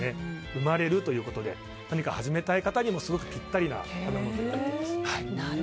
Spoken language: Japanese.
生まれるということで何か始めたい方にもピッタリな食べ物だといわれています。